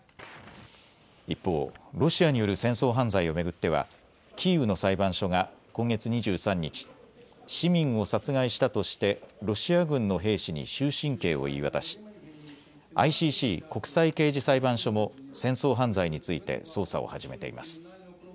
一方、ロシアによる戦争犯罪を巡ってはキーウの裁判所が今月２３日、市民を殺害したとしてロシア軍の兵士に終身刑を言い渡しＩＣＣ・国際刑事裁判所も戦争犯罪について捜査を始めています。